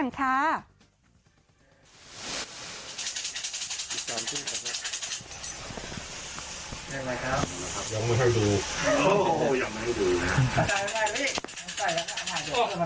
ยังไม่ให้ดู